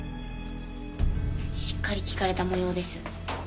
しっかり聞かれた模様です。